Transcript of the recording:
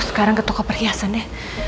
sekarang ke toko perhiasannya